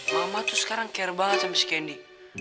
mama tuh sekarang kaya banget sama si candy